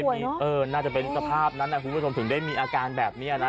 อ่าอาจจะป่วยเนอะคุณผู้ชมถึงได้มีอาการแบบนี้นะ